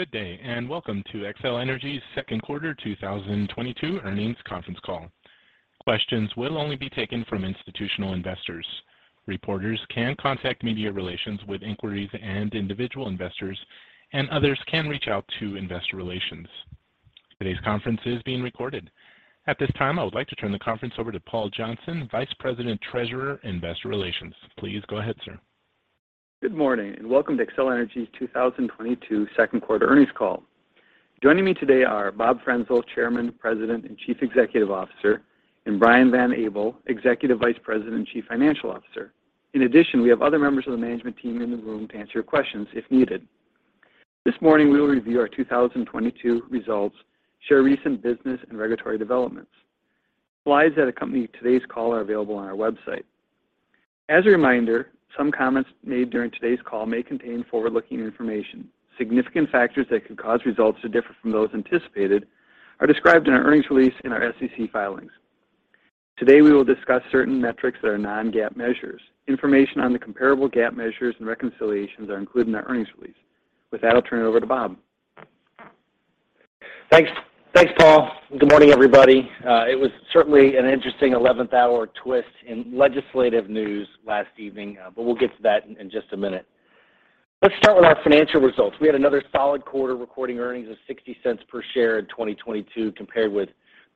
Good day, and welcome to Xcel Energy's second quarter 2022 earnings conference call. Questions will only be taken from institutional investors. Reporters can contact Media Relations with inquiries and individual investors, and others can reach out to Investor Relations. Today's conference is being recorded. At this time, I would like to turn the conference over to Paul Johnson, Vice President, Treasurer, Investor Relations. Please go ahead, sir. Good morning, and welcome to Xcel Energy's 2022 second quarter earnings call. Joining me today are Bob Frenzel, Chairman, President, and Chief Executive Officer, and Brian Van Abel, Executive Vice President and Chief Financial Officer. In addition, we have other members of the management team in the room to answer your questions if needed. This morning, we will review our 2022 results, share recent business and regulatory developments. Slides that accompany today's call are available on our website. As a reminder, some comments made during today's call may contain forward-looking information. Significant factors that could cause results to differ from those anticipated are described in our earnings release and our SEC filings. Today, we will discuss certain metrics that are non-GAAP measures. Information on the comparable GAAP measures and reconciliations are included in our earnings release. With that, I'll turn it over to Bob. Thanks, Paul. Good morning, everybody. It was certainly an interesting eleventh hour twist in legislative news last evening, but we'll get to that in just a minute. Let's start with our financial results. We had another solid quarter recording earnings of $0.60 per share in 2022 compared with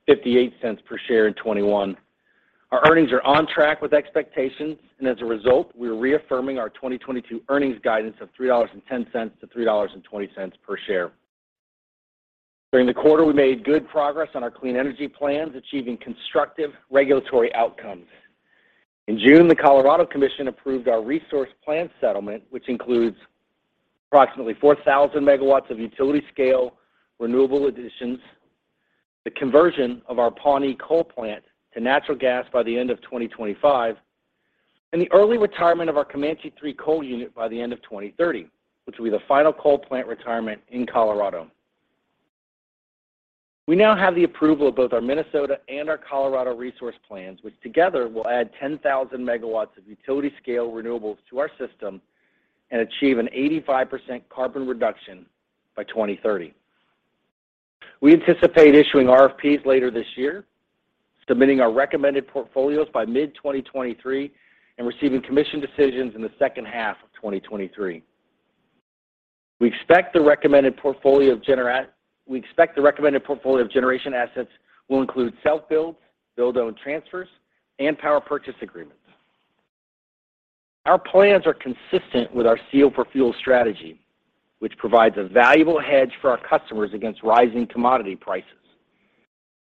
$0.58 per share in 2021. Our earnings are on track with expectations, and as a result, we are reaffirming our 2022 earnings guidance of $3.10-$3.20 per share. During the quarter, we made good progress on our clean energy plans, achieving constructive regulatory outcomes. In June, the Colorado Commission approved our resource plan settlement, which includes approximately 4,000 megawatts of utility scale renewable additions, the conversion of our Pawnee coal plant to natural gas by the end of 2025, and the early retirement of our Comanche III coal unit by the end of 2030, which will be the final coal plant retirement in Colorado. We now have the approval of both our Minnesota and our Colorado resource plans, which together will add 10,000 megawatts of utility scale renewables to our system and achieve an 85% carbon reduction by 2030. We anticipate issuing RFPs later this year, submitting our recommended portfolios by mid-2023, and receiving commission decisions in the second half of 2023. We expect the recommended portfolio of generation assets will include self-builds, build own transfers, and power purchase agreements. Our plans are consistent with our Steel for Fuel strategy, which provides a valuable hedge for our customers against rising commodity prices.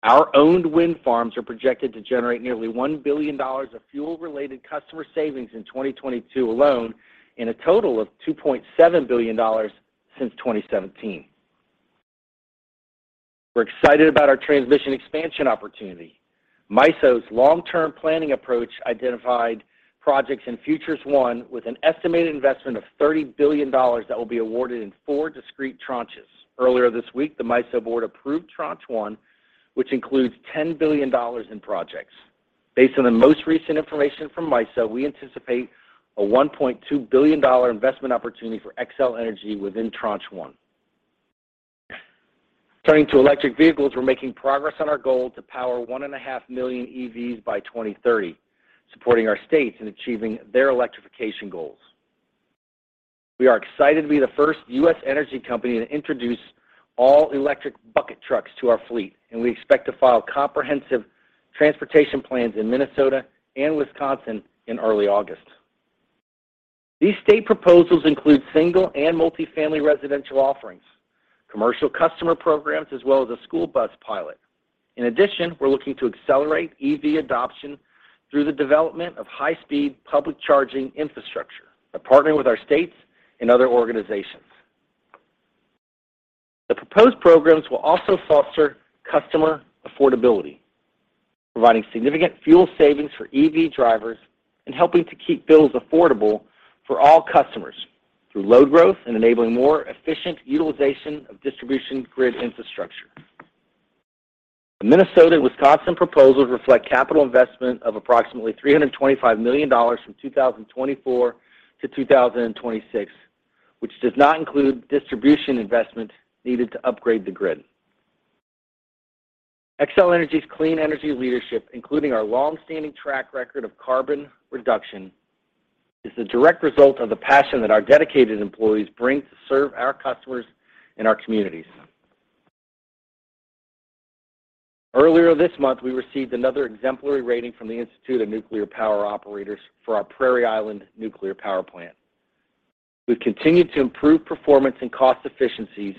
Our owned wind farms are projected to generate nearly $1 billion of fuel-related customer savings in 2022 alone and a total of $2.7 billion since 2017. We're excited about our transmission expansion opportunity. MISO's long-term planning approach identified projects in Future 1 with an estimated investment of $30 billion that will be awarded in four discrete tranches. Earlier this week, the MISO board approved Tranche 1, which includes $10 billion in projects. Based on the most recent information from MISO, we anticipate a $1.2 billion investment opportunity for Xcel Energy within Tranche 1. Turning to electric vehicles, we're making progress on our goal to power 1.5 million EVs by 2030, supporting our states in achieving their electrification goals. We are excited to be the first U.S. energy company to introduce all-electric bucket trucks to our fleet, and we expect to file comprehensive transportation plans in Minnesota and Wisconsin in early August. These state proposals include single and multi-family residential offerings, commercial customer programs, as well as a school bus pilot. In addition, we're looking to accelerate EV adoption through the development of high-speed public charging infrastructure by partnering with our states and other organizations. The proposed programs will also foster customer affordability, providing significant fuel savings for EV drivers and helping to keep bills affordable for all customers through load growth and enabling more efficient utilization of distribution grid infrastructure. The Minnesota-Wisconsin proposals reflect capital investment of approximately $325 million from 2024 to 2026, which does not include distribution investment needed to upgrade the grid. Xcel Energy's clean energy leadership, including our long-standing track record of carbon reduction, is the direct result of the passion that our dedicated employees bring to serve our customers and our communities. Earlier this month, we received another exemplary rating from the Institute of Nuclear Power Operations for our Prairie Island Nuclear Power Plant. We've continued to improve performance and cost efficiencies,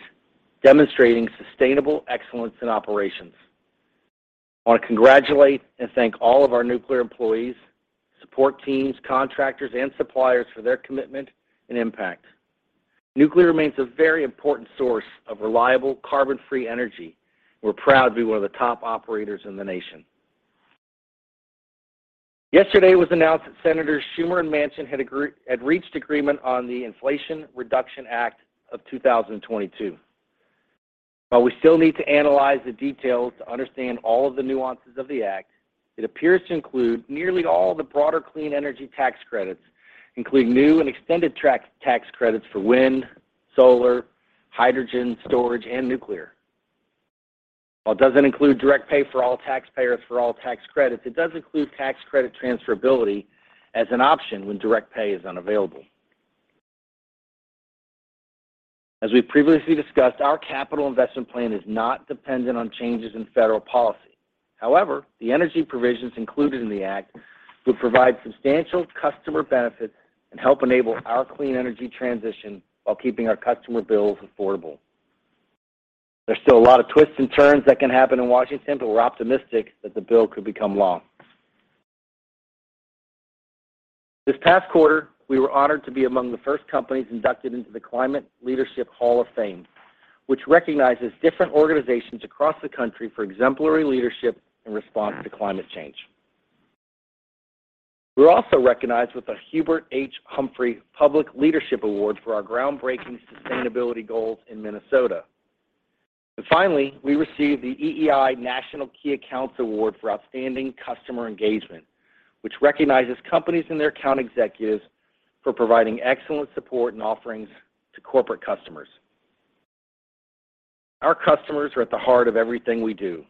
demonstrating sustainable excellence in operations. I want to congratulate and thank all of our nuclear employees, support teams, contractors, and suppliers for their commitment and impact. Nuclear remains a very important source of reliable carbon-free energy. We're proud to be one of the top operators in the nation. Yesterday, it was announced that Senators Schumer and Manchin had reached agreement on the Inflation Reduction Act of 2022. While we still need to analyze the details to understand all of the nuances of the act, it appears to include nearly all the broader clean energy tax credits, including new and extended tax credits for wind, solar, hydrogen storage, and nuclear. While it doesn't include direct pay for all taxpayers for all tax credits, it does include tax credit transferability as an option when direct pay is unavailable. As we previously discussed, our capital investment plan is not dependent on changes in federal policy. However, the energy provisions included in the act would provide substantial customer benefits and help enable our clean energy transition while keeping our customer bills affordable. There's still a lot of twists and turns that can happen in Washington, but we're optimistic that the bill could become law. This past quarter, we were honored to be among the first companies inducted into the Climate Leadership Hall of Fame, which recognizes different organizations across the country for exemplary leadership in response to climate change. We were also recognized with a Hubert H. Humphrey Public Leadership Award for our groundbreaking sustainability goals in Minnesota. Finally, we received the EEI National Key Accounts Award for outstanding customer engagement, which recognizes companies and their account executives for providing excellent support and offerings to corporate customers. Our customers are at the heart of everything we do,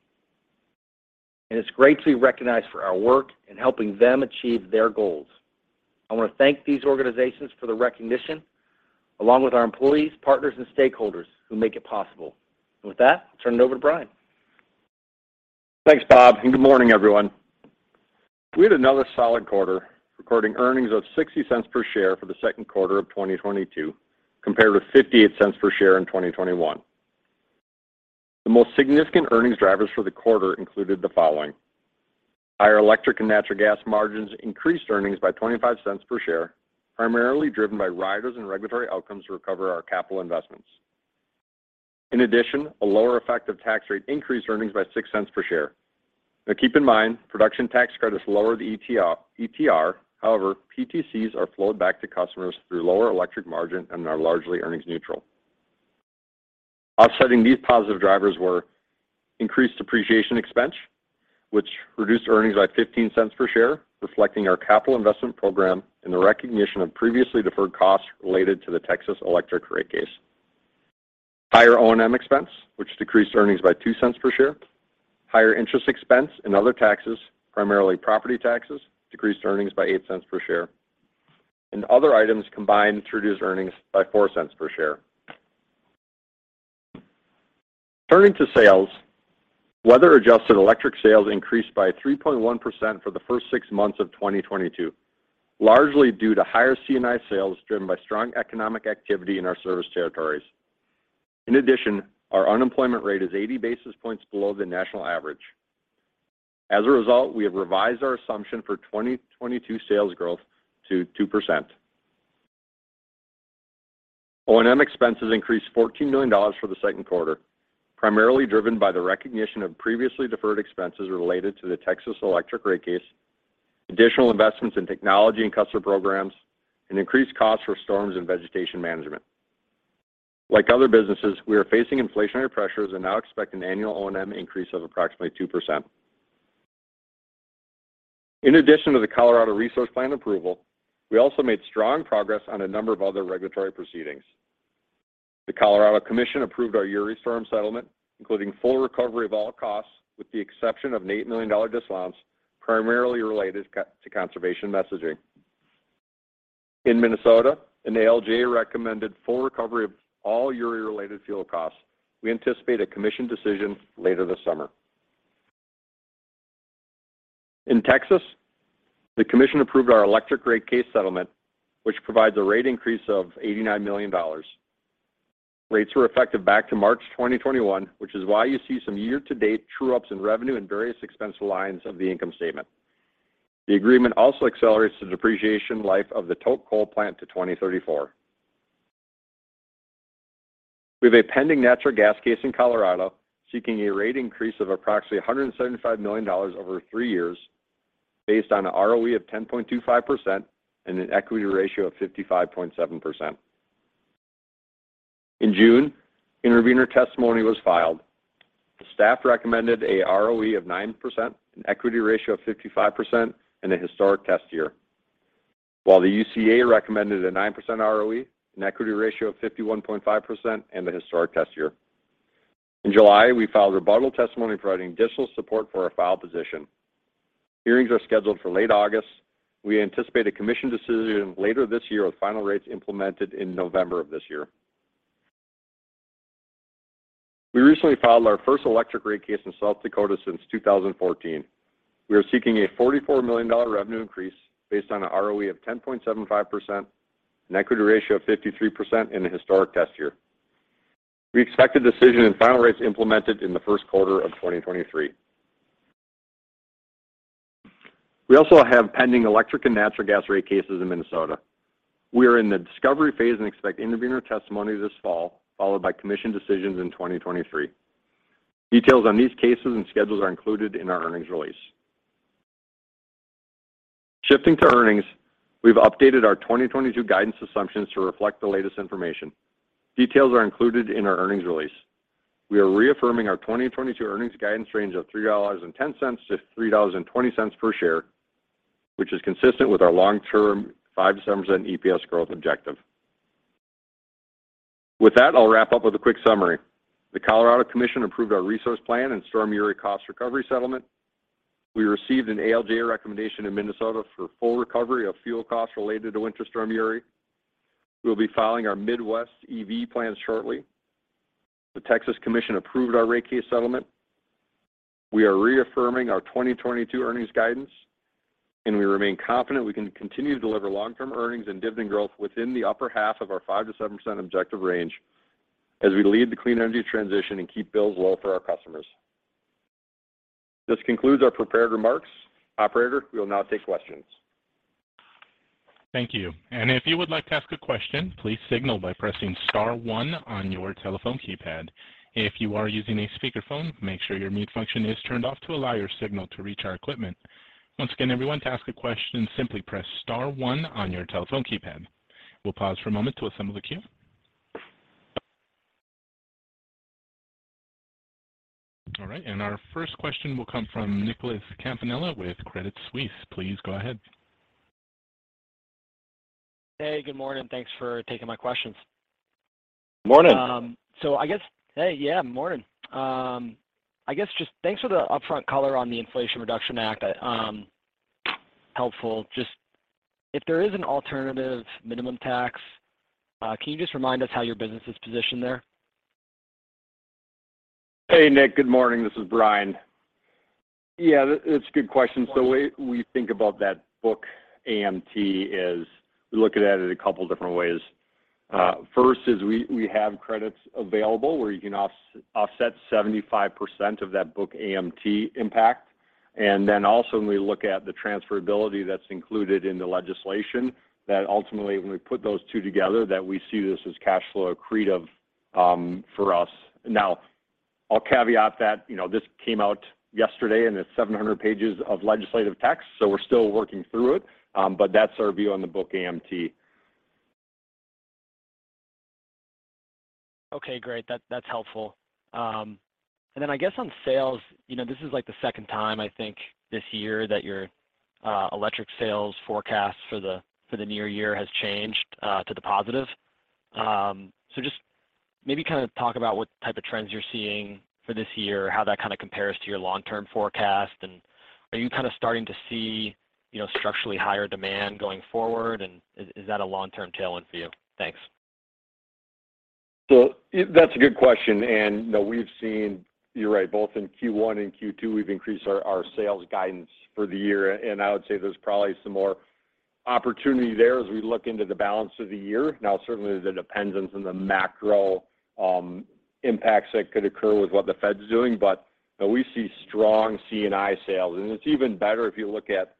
and it's great to be recognized for our work in helping them achieve their goals. I want to thank these organizations for the recognition, along with our employees, partners, and stakeholders who make it possible. With that, I'll turn it over to Brian. Thanks, Bob, and good morning, everyone. We had another solid quarter, recording earnings of $0.60 per share for the second quarter of 2022, compared with $0.58 per share in 2021. The most significant earnings drivers for the quarter included the following. Higher electric and natural gas margins increased earnings by $0.25 per share, primarily driven by riders and regulatory outcomes to recover our capital investments. In addition, a lower effective tax rate increased earnings by $0.06 per share. Now keep in mind, production tax credits lower the ETR. However, PTCs are flowed back to customers through lower electric margin and are largely earnings neutral. Offsetting these positive drivers were increased depreciation expense, which reduced earnings by $0.15 per share, reflecting our capital investment program and the recognition of previously deferred costs related to the Texas electric rate case. Higher O&M expense, which decreased earnings by $0.02 per share. Higher interest expense and other taxes, primarily property taxes, decreased earnings by $0.08 per share. Other items combined to reduce earnings by $0.04 per share. Turning to sales, weather-adjusted electric sales increased by 3.1% for the first six months of 2022, largely due to higher C&I sales driven by strong economic activity in our service territories. In addition, our unemployment rate is 80 basis points below the national average. As a result, we have revised our assumption for 2022 sales growth to 2%. O&M expenses increased $14 million for the second quarter, primarily driven by the recognition of previously deferred expenses related to the Texas electric rate case, additional investments in technology and customer programs, and increased costs for storms and vegetation management. Like other businesses, we are facing inflationary pressures and now expect an annual O&M increase of approximately 2%. In addition to the Colorado resource plan approval, we also made strong progress on a number of other regulatory proceedings. The Colorado Commission approved our Uri storm settlement, including full recovery of all costs, with the exception of an $8 million disallowance, primarily related to conservation messaging. In Minnesota, an ALJ recommended full recovery of all Uri-related fuel costs. We anticipate a commission decision later this summer. In Texas, the commission approved our electric rate case settlement, which provides a rate increase of $89 million. Rates were effective back to March 2021, which is why you see some year-to-date true-ups in revenue and various expense lines of the income statement. The agreement also accelerates the depreciation life of the Tolk coal plant to 2034. We have a pending natural gas case in Colorado seeking a rate increase of approximately $175 million over three years based on an ROE of 10.25% and an equity ratio of 55.7%. In June, intervener testimony was filed. The staff recommended a ROE of 9%, an equity ratio of 55%, and a historic test year. While the UCA recommended a 9% ROE, an equity ratio of 51.5%, and a historic test year. In July, we filed rebuttal testimony providing additional support for our file position. Hearings are scheduled for late August. We anticipate a commission decision later this year with final rates implemented in November of this year. We recently filed our first electric rate case in South Dakota since 2014. We are seeking a $44 million revenue increase based on an ROE of 10.75%, an equity ratio of 53% in the historic test year. We expect a decision and final rates implemented in the first quarter of 2023. We also have pending electric and natural gas rate cases in Minnesota. We are in the discovery phase and expect intervener testimony this fall, followed by commission decisions in 2023. Details on these cases and schedules are included in our earnings release. Shifting to earnings, we've updated our 2022 guidance assumptions to reflect the latest information. Details are included in our earnings release. We are reaffirming our 2022 earnings guidance range of $3.10-$3.20 per share, which is consistent with our long-term 5%-7% EPS growth objective. With that, I'll wrap up with a quick summary. The Colorado Commission approved our resource plan and Storm Uri cost recovery settlement. We received an ALJ recommendation in Minnesota for full recovery of fuel costs related to Winter Storm Uri. We'll be filing our Midwest EV plans shortly. The Texas Commission approved our rate case settlement. We are reaffirming our 2022 earnings guidance, and we remain confident we can continue to deliver long-term earnings and dividend growth within the upper half of our 5%-7% objective range as we lead the clean energy transition and keep bills low for our customers. This concludes our prepared remarks. Operator, we will now take questions. Thank you. If you would like to ask a question, please signal by pressing star one on your telephone keypad. If you are using a speakerphone, make sure your mute function is turned off to allow your signal to reach our equipment. Once again, everyone, to ask a question, simply press star one on your telephone keypad. We'll pause for a moment to assemble the queue. All right, and our first question will come from Nicholas Campanella with Credit Suisse. Please go ahead. Hey, good morning. Thanks for taking my questions. Morning. Hey. Yeah, morning. I guess just thanks for the upfront color on the Inflation Reduction Act. Helpful. Just if there is an alternative minimum tax, can you just remind us how your business is positioned there? Hey, Nick. Good morning. This is Brian. Yeah, that's a good question. We think about that book AMT as looking at it a couple different ways. First, we have credits available where you can offset 75% of that book AMT impact. Then also when we look at the transferability that's included in the legislation, that ultimately when we put those two together, that we see this as cash flow accretive for us. Now, I'll caveat that, you know, this came out yesterday, and it's 700 pages of legislative text, so we're still working through it. But that's our view on the book AMT. Okay, great. That's helpful. Then I guess on sales, you know, this is like the second time I think this year that your electric sales forecast for the near year has changed to the positive. Just maybe kind of talk about what type of trends you're seeing for this year, how that kind of compares to your long-term forecast, and are you kind of starting to see, you know, structurally higher demand going forward, and is that a long-term tailwind for you? Thanks. That's a good question. You know, we've seen, you're right, both in Q1 and Q2, we've increased our sales guidance for the year. I would say there's probably some more opportunity there as we look into the balance of the year. Now, certainly there depends on some of the macro impacts that could occur with what the Fed's doing. You know, we see strong C&I sales, and it's even better if you look at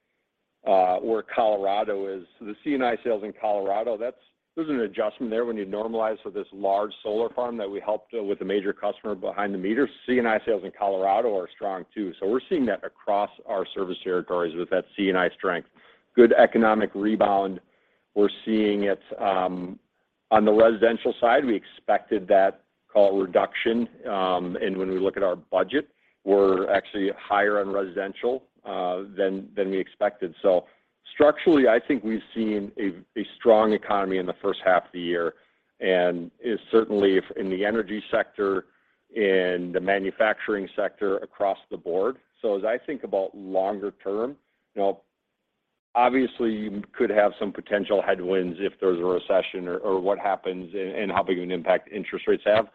where Colorado is. The C&I sales in Colorado, that's. There's an adjustment there when you normalize for this large solar farm that we helped with a major customer behind the meter. C&I sales in Colorado are strong too. We're seeing that across our service territories with that C&I strength. Good economic rebound. We're seeing it on the residential side. We expected that call it reduction. When we look at our budget, we're actually higher on residential than we expected. Structurally, I think we've seen a strong economy in the first half of the year and certainly in the energy sector, in the manufacturing sector across the board. As I think about longer term, you know, obviously you could have some potential headwinds if there's a recession or what happens and how big of an impact interest rates have.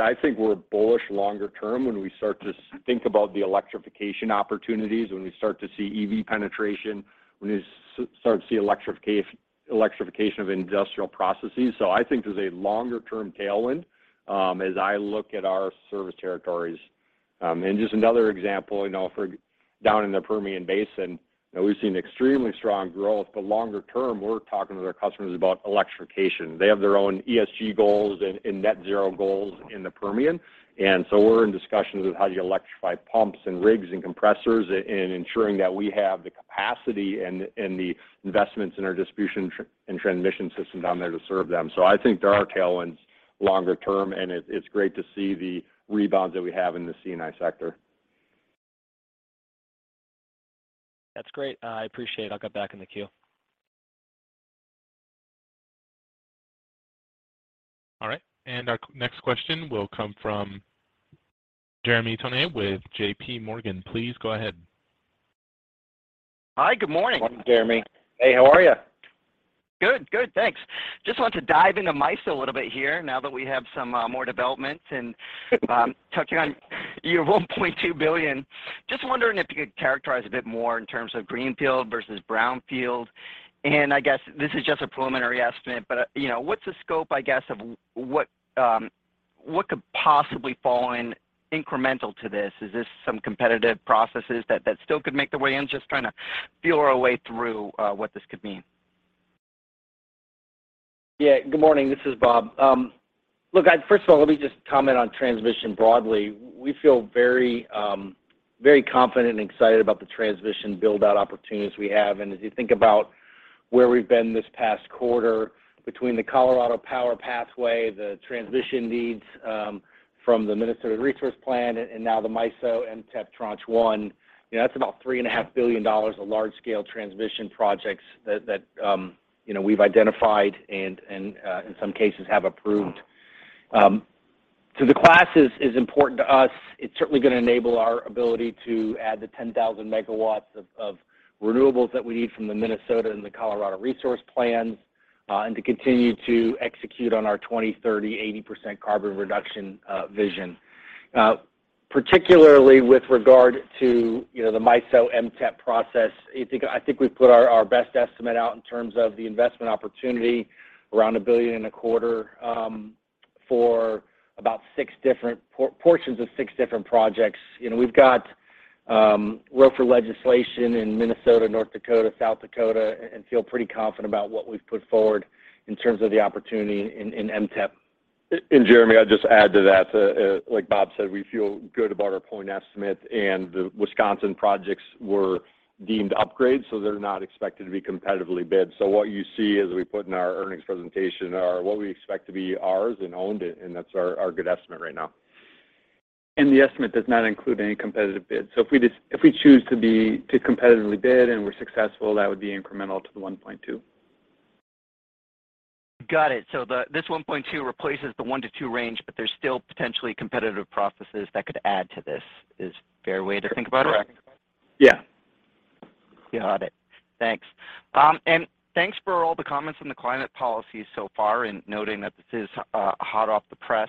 I think we're bullish longer term when we start to think about the electrification opportunities, when we start to see EV penetration, when you start to see electrification of industrial processes. I think there's a longer-term tailwind as I look at our service territories. Just another example, you know, for down in the Permian Basin, you know, we've seen extremely strong growth. Longer term, we're talking to their customers about electrification. They have their own ESG goals and net zero goals in the Permian. We're in discussions with how do you electrify pumps and rigs and compressors and ensuring that we have the capacity and the investments in our distribution and transmission system down there to serve them. I think there are tailwinds longer term, and it's great to see the rebounds that we have in the C&I sector. That's great. I appreciate. I'll get back in the queue. All right. Our next question will come from Jeremy Tonet with J.P. Morgan. Please go ahead. Hi, good morning. Morning, Jeremy. Hey, how are you? Good, good, thanks. Just wanted to dive into MISO a little bit here now that we have some more developments and touching on your $1.2 billion. Just wondering if you could characterize a bit more in terms of greenfield versus brownfield. I guess this is just a preliminary estimate, but, you know, what's the scope, I guess, of what could possibly fall in incremental to this? Is this some competitive processes that still could make their way in? Just trying to feel our way through what this could mean. Good morning. This is Bob. First of all, let me just comment on transmission broadly. We feel very confident and excited about the transmission build-out opportunities we have. As you think about where we've been this past quarter between the Colorado's Power Pathway, the transmission needs from the Minnesota Resource Plan and now the MISO and MTEP Tranche 1, you know, that's about $3.5 billion of large scale transmission projects that you know, we've identified and in some cases have approved. The scale is important to us. It's certainly gonna enable our ability to add the 10,000 megawatts of renewables that we need from the Minnesota and the Colorado resource plans and to continue to execute on our 2030 80% carbon reduction vision. Particularly with regard to, you know, the MISO MTEP process, I think we've put our best estimate out in terms of the investment opportunity around $1.25 billion for about six different portions of six different projects. You know, we've got work for legislation in Minnesota, North Dakota, South Dakota, and feel pretty confident about what we've put forward in terms of the opportunity in MTEP. Jeremy, I'll just add to that. Like Bob said, we feel good about our point estimate, and the Wisconsin projects were deemed upgrades, so they're not expected to be competitively bid. What you see as we put in our earnings presentation are what we expect to be ours and owned, and that's our good estimate right now. The estimate does not include any competitive bids. If we choose to competitively bid and we're successful, that would be incremental to the 1.2. Got it. This 1.2 replaces the 1-2 range, but there's still potentially competitive processes that could add to this, is a fair way to think about it? Correct. Yeah. Got it. Thanks. Thanks for all the comments on the climate policy so far and noting that this is hot off the press.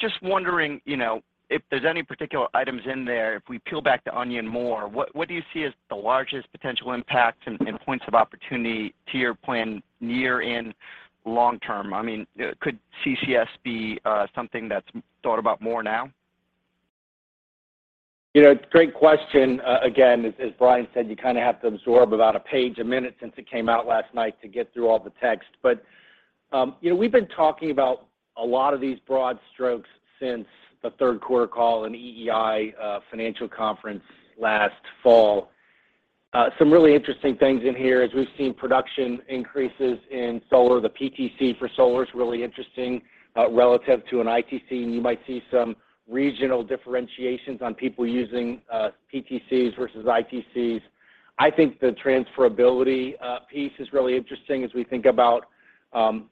Just wondering, you know, if there's any particular items in there, if we peel back the onion more, what do you see as the largest potential impact and points of opportunity to your plan near in long term? I mean, could CCS be something that's thought about more now? You know, great question. Again, as Brian said, you kind of have to absorb about a page a minute since it came out last night to get through all the text. You know, we've been talking about a lot of these broad strokes since the third quarter call and EEI financial conference last fall. Some really interesting things in here. As we've seen production increases in solar, the PTC for solar is really interesting relative to an ITC, and you might see some regional differentiations on people using PTCs versus ITCs. I think the transferability piece is really interesting as we think about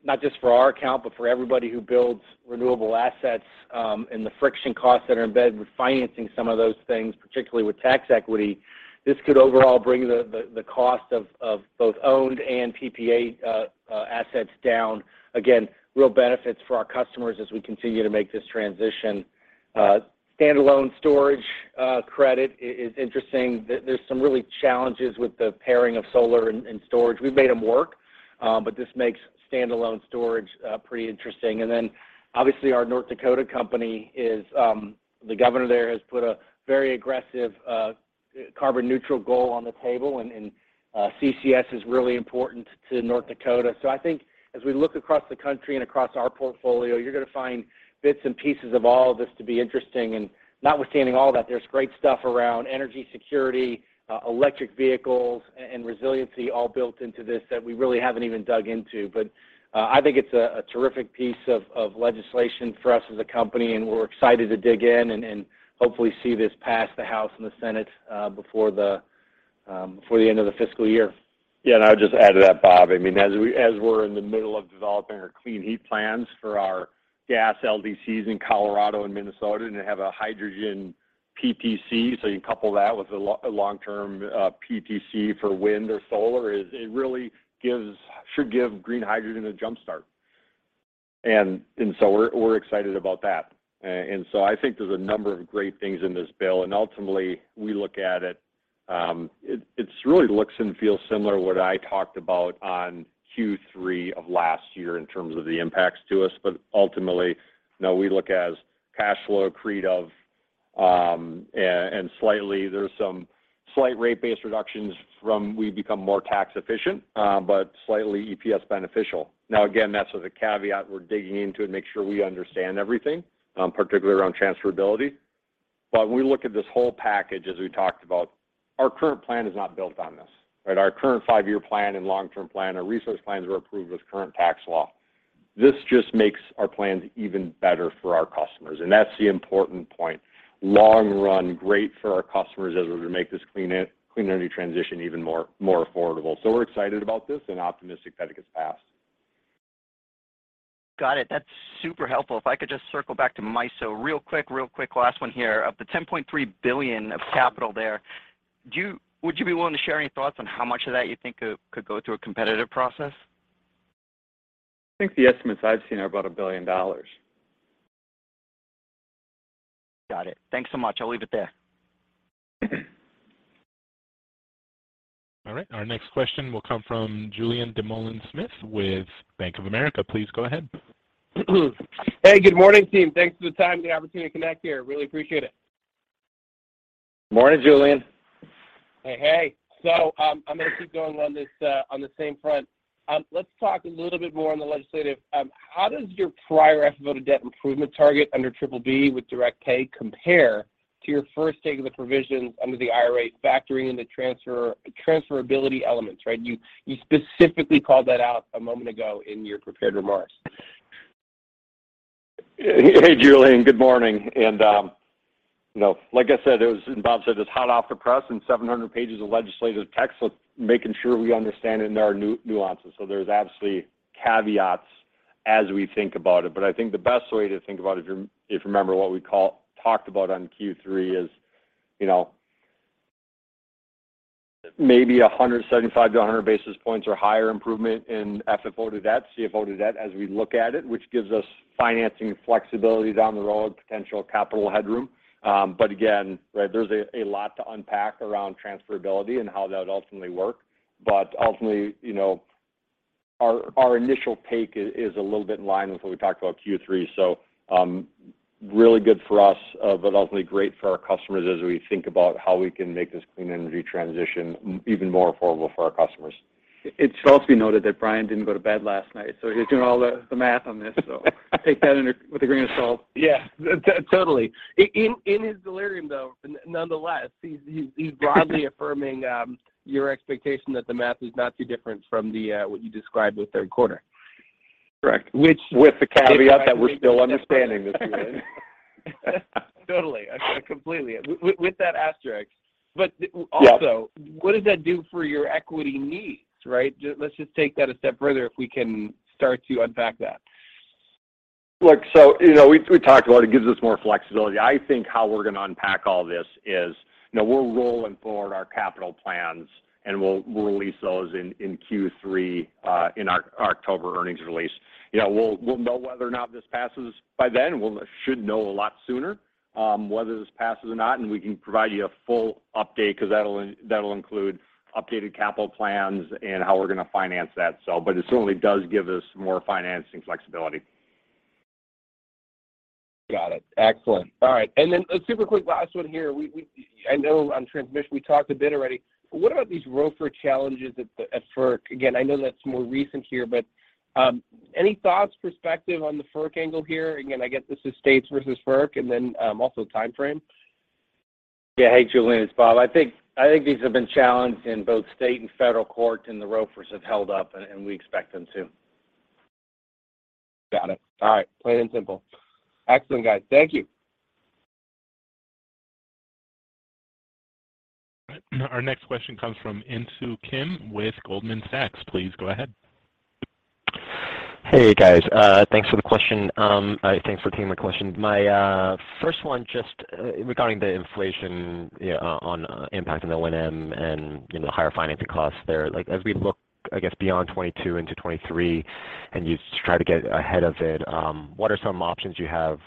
not just for our account, but for everybody who builds renewable assets, and the friction costs that are embedded with financing some of those things, particularly with tax equity. This could overall bring the cost of both owned and PPA assets down. Again, real benefits for our customers as we continue to make this transition. Standalone storage credit is interesting. There's some real challenges with the pairing of solar and storage. We've made them work, but this makes standalone storage pretty interesting. Obviously, our North Dakota company, the governor there has put a very aggressive carbon neutral goal on the table and CCS is really important to North Dakota. I think as we look across the country and across our portfolio, you're gonna find bits and pieces of all of this to be interesting. Notwithstanding all that, there's great stuff around energy security, electric vehicles and resiliency all built into this that we really haven't even dug into. I think it's a terrific piece of legislation for us as a company, and we're excited to dig in and hopefully see this pass the House and the Senate before the end of the fiscal year. Yeah. I would just add to that, Bob. I mean, as we're in the middle of developing our clean heat plans for our gas LDCs in Colorado and Minnesota and to have a hydrogen PTC, so you couple that with a long-term PTC for wind or solar, it really should give green hydrogen a jump start. And so we're excited about that. I think there's a number of great things in this bill, and ultimately, we look at it really looks and feels similar what I talked about on Q3 of last year in terms of the impacts to us. Ultimately, you know, we look as cash flow accretive, and slightly there's some slight rate-based reductions from we become more tax efficient, but slightly EPS beneficial. Now again, that's with a caveat. We're digging into it, make sure we understand everything, particularly around transferability. When we look at this whole package, as we talked about, our current plan is not built on this, right? Our current five-year plan and long-term plan, our resource plans were approved with current tax law. This just makes our plans even better for our customers, and that's the important point. Long run, great for our customers as we make this clean energy transition even more affordable. We're excited about this and optimistic that it gets passed. Got it. That's super helpful. If I could just circle back to MISO real quick. Last one here. Of the $10.3 billion of capital there, would you be willing to share any thoughts on how much of that you think could go through a competitive process? I think the estimates I've seen are about $1 billion. Got it. Thanks so much. I'll leave it there. All right. Our next question will come from Julien Dumoulin-Smith with Bank of America. Please go ahead. Hey, good morning, team. Thanks for the time and the opportunity to connect here. Really appreciate it. Morning, Julien. Hey. I'm gonna keep going on this, on the same front. Let's talk a little bit more on the legislative. How does your prior FFO to debt improvement target under triple B with direct pay compare to your first take of the provisions under the IRA factoring in the transferability elements, right? You specifically called that out a moment ago in your prepared remarks. Hey, Julien. Good morning. You know, like I said, and Bob said, it's hot off the press and 700 pages of legislative text, so making sure we understand it in our nuances. There's absolutely caveats as we think about it. I think the best way to think about it, if you remember what we talked about on Q3 is, you know, maybe 175-100 basis points or higher improvement in FFO to debt, CFO to debt as we look at it, which gives us financing flexibility down the road, potential capital headroom. Again, right, there's a lot to unpack around transferability and how that would ultimately work. Ultimately, you know, our initial take is a little bit in line with what we talked about Q3. Really good for us, but ultimately great for our customers as we think about how we can make this clean energy transition even more affordable for our customers. It should also be noted that Brian didn't go to bed last night, so he's doing all the math on this. Take that with a grain of salt. Yeah. Totally. In his delirium, though, nonetheless, he's broadly affirming your expectation that the math is not too different from what you described with third quarter. Correct. Which. With the caveat that we're still understanding this. Totally. Completely. With that asterisk. Yeah. What does that do for your equity needs, right? Let's just take that a step further if we can start to unpack that. Look, so, you know, we talked about it gives us more flexibility. I think how we're gonna unpack all this is, you know, we're rolling forward our capital plans, and we'll release those in Q3 in our October earnings release. You know, we'll know whether or not this passes by then. We should know a lot sooner whether this passes or not, and we can provide you a full update 'cause that'll include updated capital plans and how we're gonna finance that. But it certainly does give us more financing flexibility. Got it. Excellent. All right. A super quick last one here. I know on transmission, we talked a bit already. What about these ROFR challenges at FERC? Again, I know that's more recent here, but any thoughts, perspective on the FERC angle here? Again, I get this is states versus FERC, and then also timeframe. Yeah. Hey, Julien, it's Bob. I think these have been challenged in both state and federal court, and the ROFRs have held up, and we expect them to. Got it. All right. Plain and simple. Excellent, guys. Thank you. Our next question comes from Insoo Kim with Goldman Sachs. Please go ahead. Hey, guys. Thanks for the question. Thanks for taking my question. My first one just regarding the inflation, you know, on impact on O&M and, you know, higher financing costs there. Like, as we look, I guess, beyond 2022 into 2023 and you try to get ahead of it, what are some options you have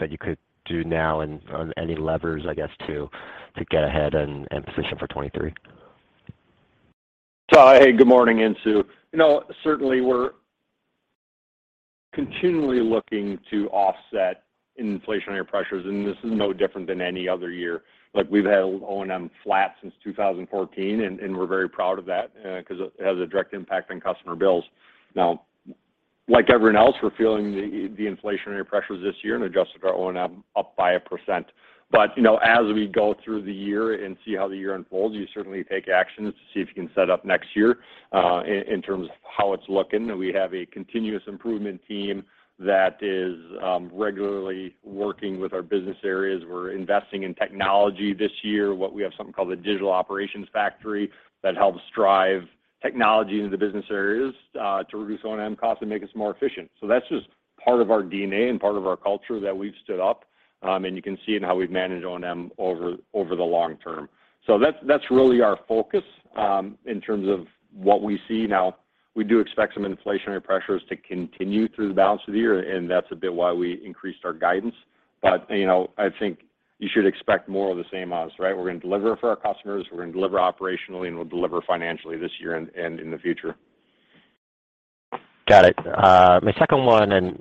that you could do now and any levers, I guess, to get ahead and position for 2023? Hey, good morning, Insoo. You know, certainly we're continually looking to offset inflationary pressures, and this is no different than any other year. Like, we've had O&M flat since 2014, and we're very proud of that, 'cause it has a direct impact on customer bills. Now, like everyone else, we're feeling the inflationary pressures this year and adjusted our O&M up by 1%. You know, as we go through the year and see how the year unfolds, you certainly take actions to see if you can set up next year, in terms of how it's looking. We have a continuous improvement team that is regularly working with our business areas. We're investing in technology this year. We have something called the Digital Operations Factory that helps drive technology into the business areas to reduce O&M costs and make us more efficient. That's just part of our DNA and part of our culture that we've stood up, and you can see in how we've managed O&M over the long term. That's really our focus in terms of what we see. Now, we do expect some inflationary pressures to continue through the balance of the year, and that's a bit why we increased our guidance. You know, I think you should expect more of the same us, right? We're gonna deliver for our customers, we're gonna deliver operationally, and we'll deliver financially this year and in the future. Got it. My second one, and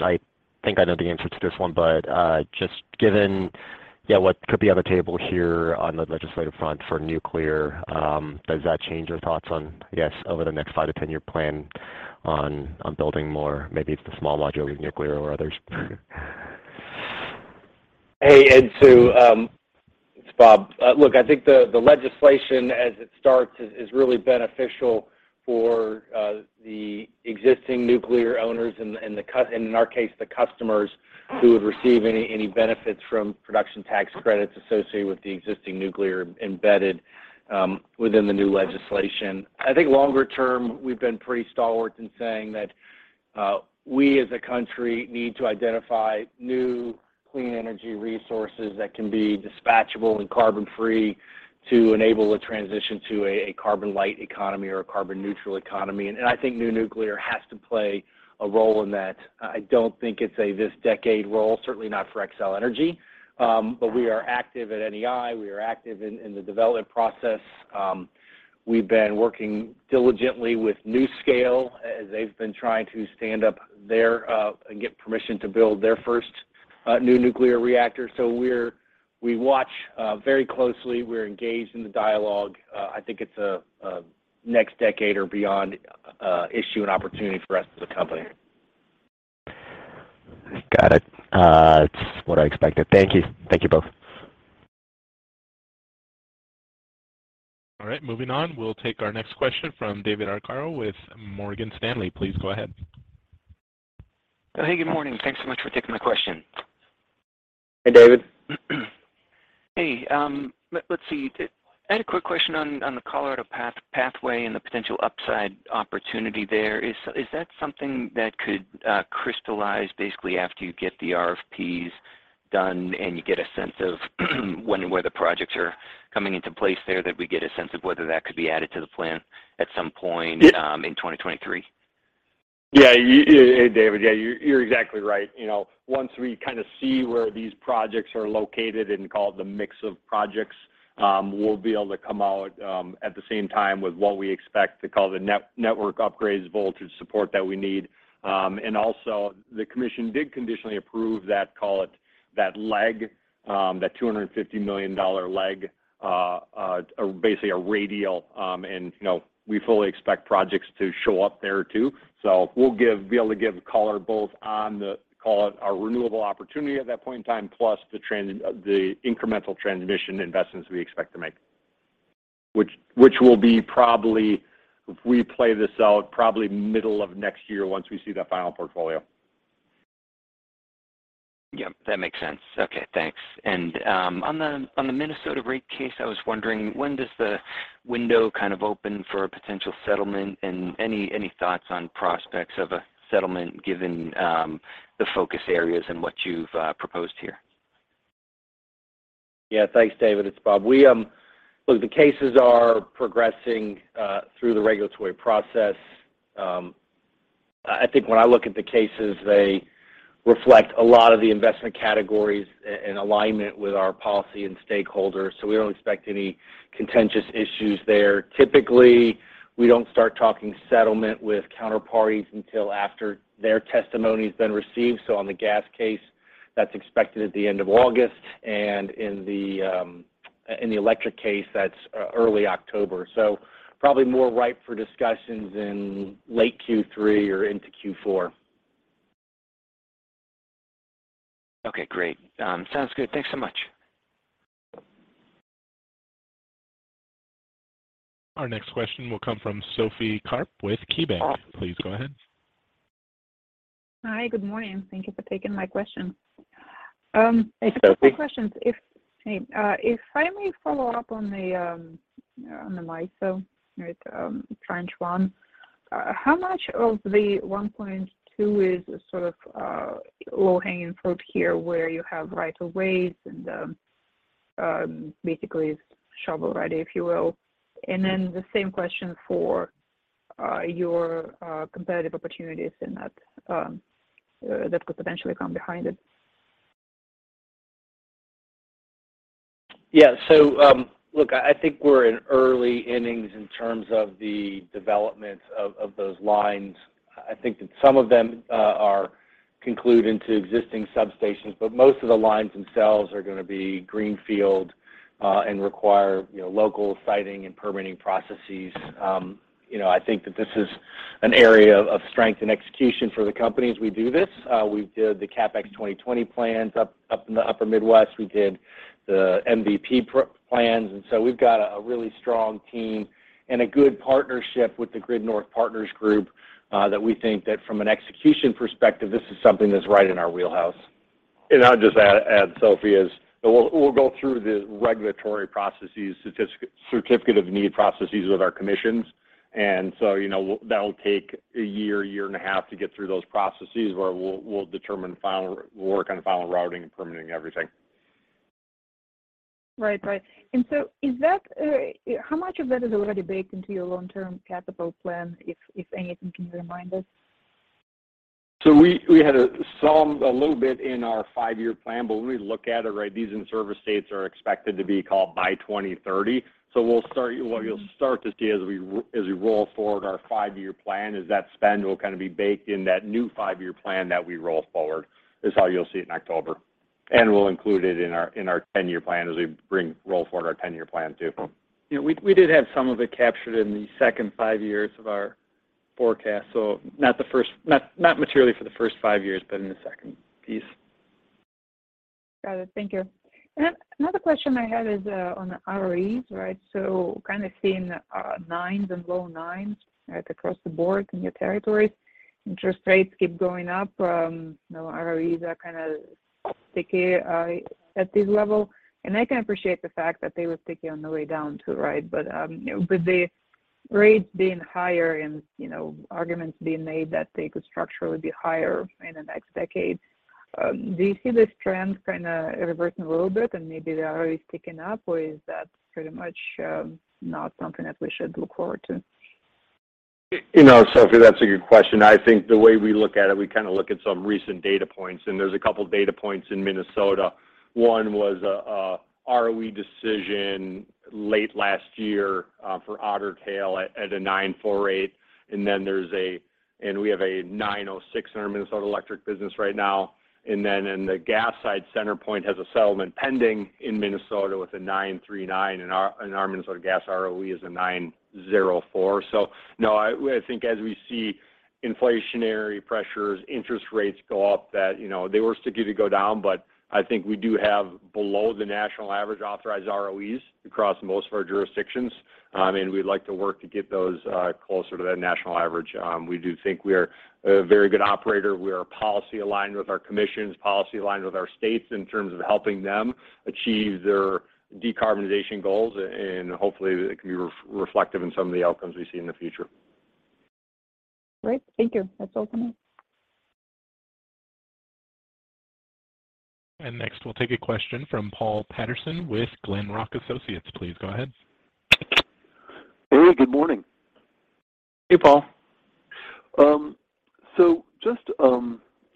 I think I know the answer to this one, but just given what could be on the table here on the legislative front for nuclear, does that change your thoughts on, I guess, over the next 5-10-year plan on building more, maybe it's the small modular nuclear or others? Hey, Insoo. It's Bob. Look, I think the legislation as it starts is really beneficial for the existing nuclear owners and in our case, the customers who would receive any benefits from production tax credits associated with the existing nuclear embedded within the new legislation. I think longer term, we've been pretty stalwart in saying that we as a country need to identify new clean energy resources that can be dispatchable and carbon free to enable a transition to a carbon light economy or a carbon neutral economy. I think new nuclear has to play a role in that. I don't think it's a this decade role, certainly not for Xcel Energy. We are active at NEI. We are active in the development process. We've been working diligently with NuScale as they've been trying to stand up their and get permission to build their first new nuclear reactors. We watch very closely. We're engaged in the dialogue. I think it's a next decade or beyond issue and opportunity for us as a company. Got it. It's what I expected. Thank you. Thank you both. All right, moving on. We'll take our next question from David Arcaro with Morgan Stanley. Please go ahead. Hey, good morning. Thanks so much for taking my question. Hey, David. Hey, let's see. I had a quick question on the Colorado's Power Pathway and the potential upside opportunity there. Is that something that could crystallize basically after you get the RFPs done and you get a sense of when and where the projects are coming into place there that we get a sense of whether that could be added to the plan at some point in 2023? Yeah, David. Yeah, you're exactly right. You know, once we kind of see where these projects are located and call it the mix of projects, we'll be able to come out at the same time with what we expect to call the network upgrades voltage support that we need. The commission did conditionally approve that, call it, that $250 million leg, basically a radial, and you know, we fully expect projects to show up there, too. We'll be able to give color both on the, call it, our renewable opportunity at that point in time, plus the incremental transmission investments we expect to make. Which will be probably, if we play this out, probably middle of next year once we see that final portfolio. Yeah, that makes sense. Okay, thanks. On the Minnesota rate case, I was wondering, when does the window kind of open for a potential settlement? Any thoughts on prospects of a settlement given the focus areas and what you've proposed here? Yeah. Thanks, David. It's Bob. We look, the cases are progressing through the regulatory process. I think when I look at the cases, they reflect a lot of the investment categories in alignment with our policy and stakeholders. So we don't expect any contentious issues there. Typically, we don't start talking settlement with counterparties until after their testimony has been received. So on the gas case, that's expected at the end of August, and in the electric case, that's early October. So probably more ripe for discussions in late Q3 or into Q4. Okay, great. Sounds good. Thanks so much. Our next question will come from Sophie Karp with KeyBanc. Please go ahead. Hi. Good morning. Thank you for taking my question. Hey, Sophie. Just two questions. If I may follow up on the MISO, right, Tranche 1, how much of the $1.2 is sort of low-hanging fruit here where you have rights-of-way and basically shovel-ready, if you will? Then the same question for your competitive opportunities in that that could potentially come behind it. Yeah. Look, I think we're in early innings in terms of the development of those lines. I think that some of them are concluded into existing substations, but most of the lines themselves are going to be greenfield and require, you know, local siting and permitting processes. You know, I think that this is an area of strength and execution for the company as we do this. We did the CapX2020 plans up in the Upper Midwest. We did the MVP plans. We've got a really strong team and a good partnership with the Grid North Partners group that we think that from an execution perspective, this is something that's right in our wheelhouse. I'll just add, Sophie, we'll go through the regulatory processes, certificate of need processes with our commissions.you know, that'll take a year and a half to get through those processes where we'll determine work on final routing and permitting everything. Right. How much of that is already baked into your long-term capital plan, if anything? Can you remind us? We had some a little bit in our five-year plan. When we look at it, right, these in-service dates are expected to be called by 2030. What you'll start to see as we roll forward our five-year plan is that spend will kind of be baked in that new five-year plan that we roll forward, is how you'll see it in October. We'll include it in our ten-year plan as we roll forward our ten-year plan, too. You know, we did have some of it captured in the second five years of our forecast. Not materially for the first five years, but in the second piece. Got it. Thank you. Another question I had is, on ROEs, right? Kind of seeing nines and low nines right across the board in your territories. Interest rates keep going up. You know, ROEs are kind of sticky at this level. I can appreciate the fact that they were sticky on the way down, too, right? But, you know, the rates being higher and, you know, arguments being made that they could structurally be higher in the next decade, do you see this trend kind of reversing a little bit and maybe the ROEs sticking up? Or is that pretty much not something that we should look forward to? You know, Sophie, that's a good question. I think the way we look at it, we kind of look at some recent data points, and there's a couple data points in Minnesota. One was a ROE decision late last year for Otter Tail at a 9.4% rate. And then we have a 9.06% in our Minnesota electric business right now. And then in the gas side, CenterPoint Energy has a settlement pending in Minnesota with a 9.39%, and our Minnesota gas ROE is a 9.04%. So no, I think as we see inflationary pressures, interest rates go up, that you know, they were sticky to go down, but I think we do have below the national average authorized ROEs across most of our jurisdictions. We'd like to work to get those closer to that national average. We do think we're a very good operator. We are policy aligned with our commissions, policy aligned with our states in terms of helping them achieve their decarbonization goals, and hopefully it can be reflective in some of the outcomes we see in the future. Great. Thank you. That's all for me. Next, we'll take a question from Paul Patterson with Glenrock Associates. Please go ahead. Hey, good morning. Hey, Paul.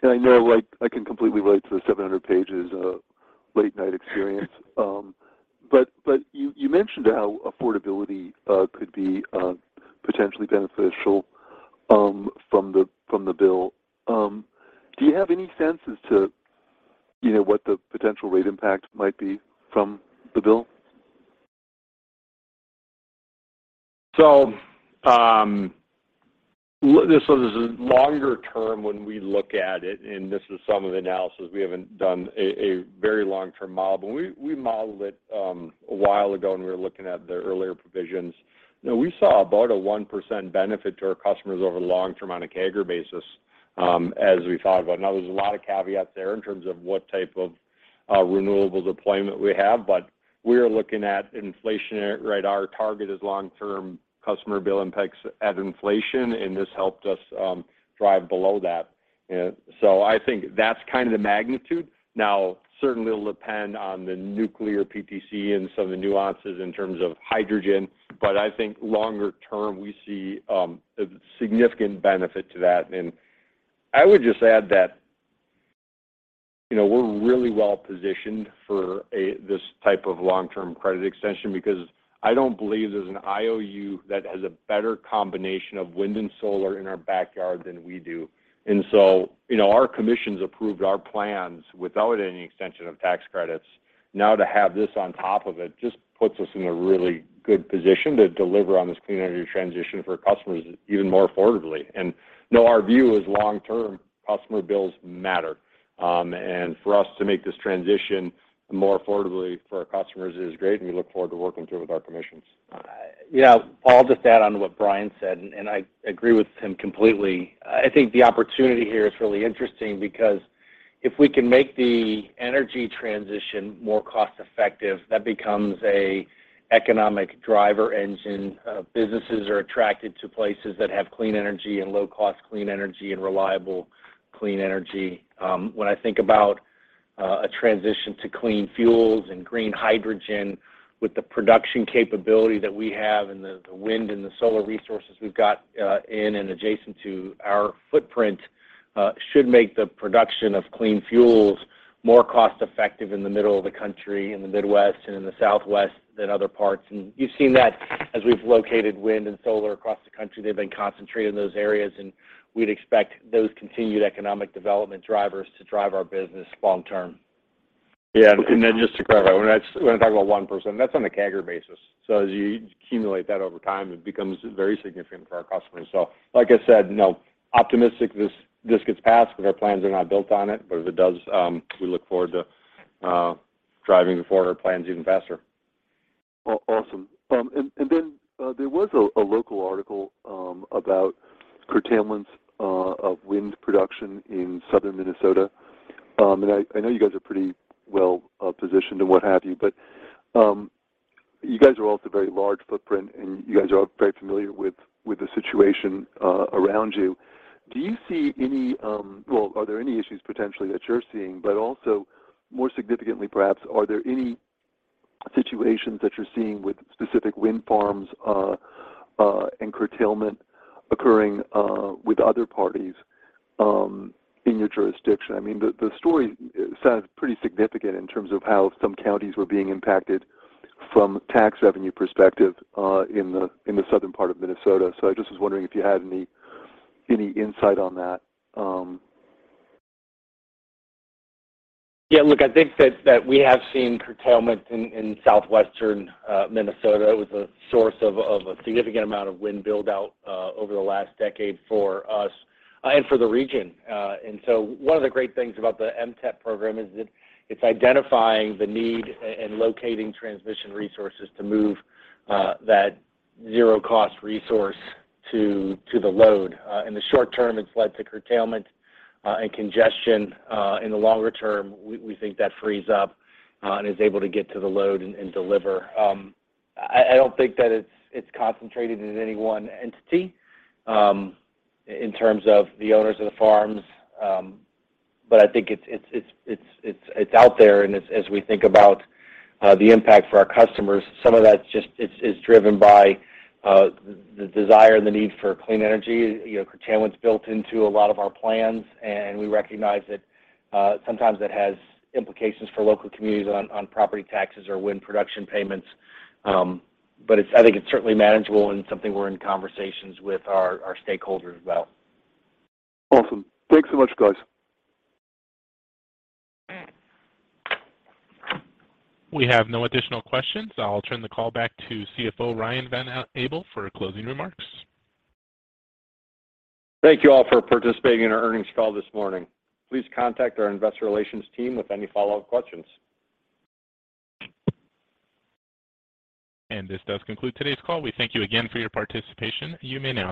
I know I can completely relate to the 700 pages of late night experience. You mentioned how affordability could be potentially beneficial from the bill. Do you have any sense as to, you know, what the potential rate impact might be from the bill? There's a longer term when we look at it, and this is some of the analysis. We haven't done a very long term model, but we modeled it a while ago when we were looking at the earlier provisions. You know, we saw about a 1% benefit to our customers over the long term on a CAGR basis, as we thought about it. Now, there's a lot of caveats there in terms of what type of renewables deployment we have, but we're looking at inflation, right? Our target is long-term customer bill impacts at inflation, and this helped us drive below that. I think that's kind of the magnitude. Now, certainly it'll depend on the nuclear PTC and some of the nuances in terms of hydrogen. I think longer term, we see a significant benefit to that. I would just add that, you know, we're really well-positioned for this type of long-term credit extension because I don't believe there's an IOU that has a better combination of wind and solar in our backyard than we do. You know, our commission's approved our plans without any extension of tax credits. Now to have this on top of it just puts us in a really good position to deliver on this clean energy transition for customers even more affordably. You know our view is long term, customer bills matter. For us to make this transition more affordably for our customers is great, and we look forward to working through with our commissions. Yeah. I'll just add on to what Brian said, and I agree with him completely. I think the opportunity here is really interesting because if we can make the energy transition more cost effective, that becomes an economic driver engine. Businesses are attracted to places that have clean energy and low cost clean energy and reliable clean energy. When I think about a transition to clean fuels and green hydrogen with the production capability that we have and the wind and the solar resources we've got in and adjacent to our footprint, should make the production of clean fuels more cost effective in the middle of the country, in the Midwest and in the Southwest than other parts. You've seen that as we've located wind and solar across the country. They've been concentrated in those areas, and we'd expect those continued economic development drivers to drive our business long term. Yeah. Just to clarify, when I talk about 1%, that's on a CAGR basis. As you accumulate that over time, it becomes very significant for our customers. Like I said, you know, optimistic this gets passed, but our plans are not built on it. If it does, we look forward to driving forward our plans even faster. Awesome. Then there was a local article about curtailments of wind production in southern Minnesota. I know you guys are pretty well positioned and what have you, but you guys are also very large footprint, and you guys are very familiar with the situation around you. Do you see any? Well, are there any issues potentially that you're seeing, but also, more significantly perhaps, are there any situations that you're seeing with specific wind farms and curtailment occurring with other parties in your jurisdiction? I mean, the story sounded pretty significant in terms of how some counties were being impacted from tax revenue perspective in the southern part of Minnesota. I just was wondering if you had any insight on that. Yeah, look, I think that we have seen curtailment in southwestern Minnesota. It was a source of a significant amount of wind buildout over the last decade for us and for the region. One of the great things about the MTEP program is that it's identifying the need and locating transmission resources to move that zero-cost resource to the load. In the short term, it's led to curtailment and congestion. In the longer term, we think that frees up and is able to get to the load and deliver. I don't think that it's concentrated in any one entity in terms of the owners of the farms. I think it's out there, and as we think about the impact for our customers, some of that just is driven by the desire and the need for clean energy. You know, curtailment's built into a lot of our plans, and we recognize that, sometimes that has implications for local communities on property taxes or wind production payments. I think it's certainly manageable and something we're in conversations with our stakeholders about. Awesome. Thanks so much, guys. We have no additional questions. I'll turn the call back to CFO Brian Van Abel for closing remarks. Thank you all for participating in our earnings call this morning. Please contact our investor relations team with any follow-up questions. This does conclude today's call. We thank you again for your participation. You may now disconnect.